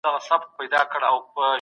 احساساتي پرېکړې تل زيان رسوي.